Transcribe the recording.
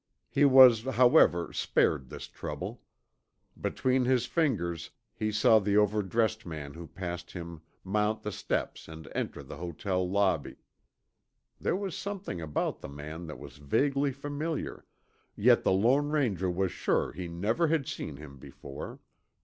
He was, however, spared this trouble. Between his fingers he saw the overdressed man who passed him mount the steps and enter the hotel lobby. There was something about the man that was vaguely familiar, yet the Lone Ranger was sure he never had seen him before.